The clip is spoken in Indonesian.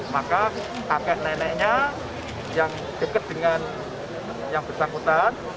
maka kakek neneknya yang dekat dengan yang bersangkutan